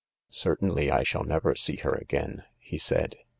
"Certainly I shall never see her again," he said.